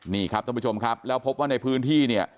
นี่ครับท่านผู้ชมครับแล้วพบว่าในพื้นที่เนี่ย